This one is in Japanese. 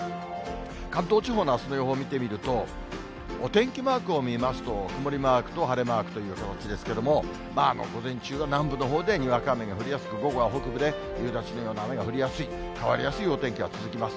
関東地方のあすの予報を見てみると、お天気マークを見ますと、曇りマークと晴れマークという形ですけれども、午前中は南部のほうでにわか雨が降りやすく、午後は北部で夕立のような雨が降りやすい、変わりやすい天気が続きます。